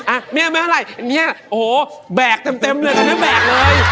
อ่ะเนี่ยแม่งอะไรเนี่ยโอ้โหแบกเต็มเลยตอนนี้แบกเลย